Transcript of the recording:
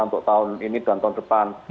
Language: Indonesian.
untuk tahun ini dan tahun depan